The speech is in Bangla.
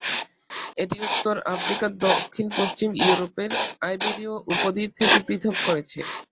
এটি উত্তর আফ্রিকা দক্ষিণ-পশ্চিম ইউরোপের আইবেরীয় উপদ্বীপ থেকে পৃথক করেছে।